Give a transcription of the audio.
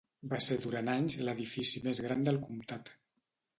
Va ser durant anys l'edifici més gran del comtat.